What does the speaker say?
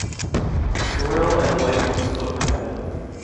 Sorrel and White Goosefoot were added.